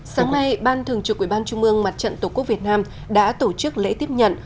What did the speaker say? sáng nay ban thường trực ủy ban trung ương mặt trận tổ quốc việt nam đã tổ chức lễ tiếp nhận